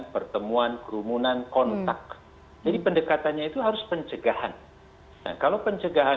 karena untuk peduli di dpr yaanri aplikasi sesuatu yang saja benar